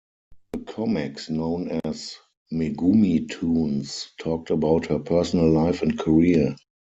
The comics, known as "Megumi-Toons", talked about her personal life and career.